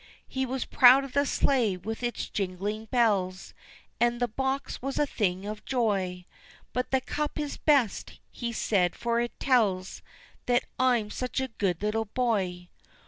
He was proud of the sleigh with its jingling bells And the box was a thing of joy, "But the cup is best," he said, "for it tells That I'm such a good little boy."